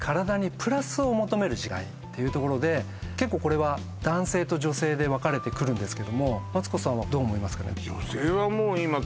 「プラスを求める時代」というところで結構これは男性と女性で分かれてくるんですけどもマツコさんはどう思いますかね